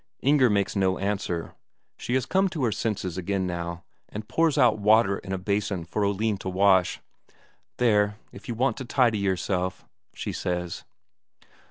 Inger makes no answer. She has come to her senses again now, and pours out water in a basin for Oline to wash. "There if you want to tidy yourself," she says.